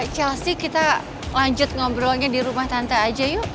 chelsea kita lanjut ngobrolnya di rumah tante aja yuk